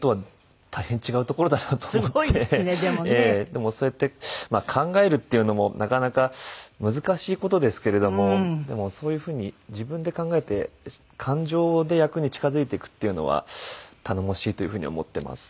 でもそうやって考えるっていうのもなかなか難しい事ですけれどもでもそういうふうに自分で考えて感情で役に近づいていくっていうのは頼もしいというふうに思ってます。